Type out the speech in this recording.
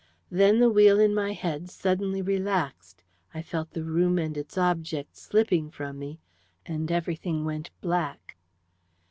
Then the wheel in my head suddenly relaxed, I felt the room and its objects slipping from me, and everything went black.